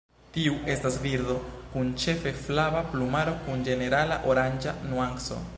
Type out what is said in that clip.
Tiu estas birdo, kun ĉefe flava plumaro kun ĝenerala oranĝa nuanco.